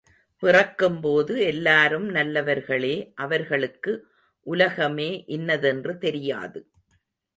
பிறக்கும் போது எல்லாரும் நல்லவர்களே அவர்களுக்கு உலகமே இன்னதென்று தெரியாது.